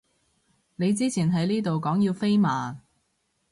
你之前喺呢度講要飛嘛